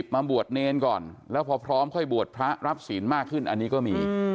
มาบวชเนรก่อนแล้วพอพร้อมค่อยบวชพระรับศีลมากขึ้นอันนี้ก็มี